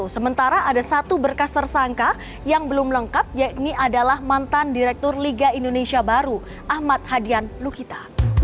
sementara ada satu berkas tersangka yang belum lengkap yakni adalah mantan direktur liga indonesia baru ahmad hadian lukita